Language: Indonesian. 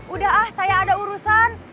udah ah saya ada urusan